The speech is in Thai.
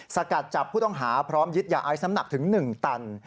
สกัดจับผู้ต้องหาพร้อมยึดยาไอซ์น้ำหนักถึง๑ตัน